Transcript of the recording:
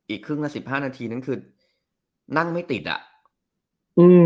อีกครึ่งละสิบห้านาทีนั้นคือนั่งไม่ติดอ่ะอืม